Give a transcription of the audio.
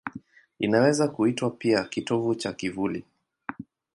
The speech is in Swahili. Inaweza kuitwa pia kitovu cha kivuli.